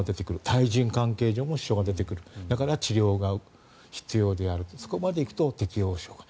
対人関係上も支障が出てくるだから治療が必要になるそこまで行くと適応障害